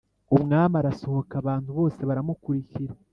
Umwami arasohoka abantu bose baramukurikira